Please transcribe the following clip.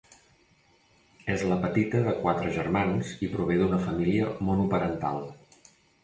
És la petita de quatre germans i prové d'una família monoparental.